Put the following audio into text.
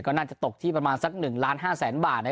ก็น่าจะตกที่ประมาณสักหนึ่งล้านห้าแสนบาทนะย